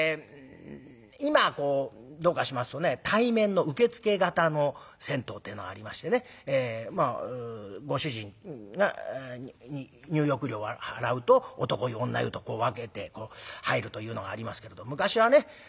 今どうかしますとね対面の受付型の銭湯ってえのありましてねご主人に入浴料を払うと男湯女湯とこう分けて入るというのがありますけれど昔はね